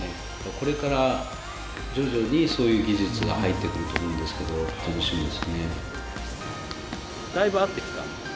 これから徐々にそういう技術が入ってくると思うんですけど楽しみですね。